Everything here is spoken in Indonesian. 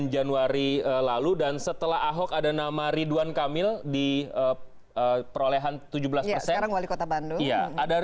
julung sindawati cnn indonesia